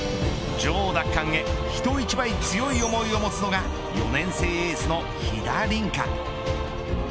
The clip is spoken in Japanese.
女王奪還へひと１倍強い思いを持つのが４年生エースの飛田凜香。